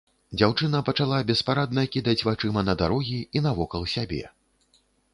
Дзяўчына пачала беспарадна кідаць вачыма на дарогі і навокал сябе.